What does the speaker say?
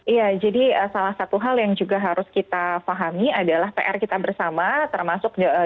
iya jadi salah satu hal yang juga harus kita pahami adalah pr kita bersama termasuk juga dengan seluruh media